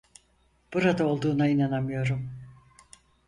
Burada olduğuna inanamıyorum.